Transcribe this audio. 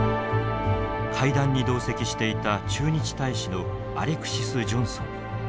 日米首脳会談で会談に同席していた駐日大使のアレクシス・ジョンソン。